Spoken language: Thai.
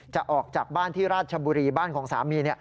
ออกจากบ้านที่ราชบุรีบ้านของสามี